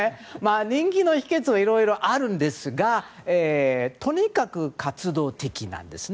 人気の秘訣はいろいろあるんですがとにかく活動的なんですね。